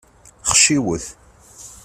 Xciwet.